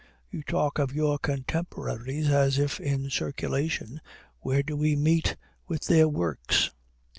You talk of your contemporaries as if in circulation where do we meet with their works?